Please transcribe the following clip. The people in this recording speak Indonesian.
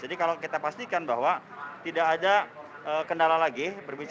jadi kalau kita pastikan bahwa tidak ada kendala lagi